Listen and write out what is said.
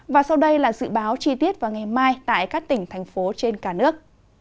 và sau đây là dự báo chi tiết vào ngày mai tại các tỉnh thành phố trên cả nước